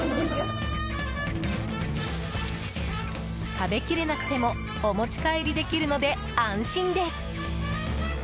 食べ切れなくてもお持ち帰りできるので安心です。